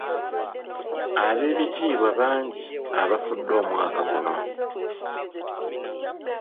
Ab'ebitiibwa bangi abafudde omwaka guno.